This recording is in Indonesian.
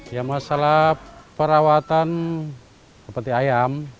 ya masalah perawatan seperti ayam